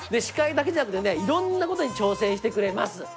司会だけじゃなくてねいろんなことに挑戦してくれます。